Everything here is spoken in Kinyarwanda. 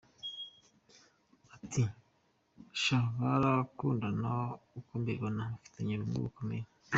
Ati « Sha barakundana uko mbibona, bafitanye ubumwe bukomeye.